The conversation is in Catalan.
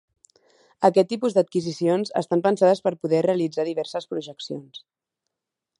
Aquest tipus d'adquisicions estan pensades per poder realitzar diverses projeccions.